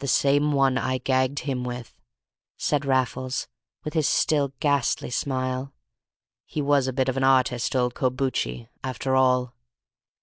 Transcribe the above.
"The same one I gagged him with," said Raffles, with his still ghastly smile; "he was a bit of an artist, old Corbucci, after all!"